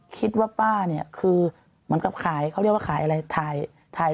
คิดว่าป้าเนี่ยคือเหมือนกับขายเขาเรียกว่าขายอะไรถ่าย